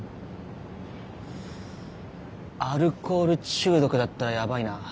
アルコール中毒だったらやばいな。